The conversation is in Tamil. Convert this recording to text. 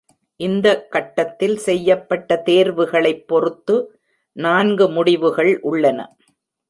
இந்த கட்டத்தில் செய்யப்பட்ட தேர்வுகளைப் பொறுத்து நான்கு முடிவுகள் உள்ளன.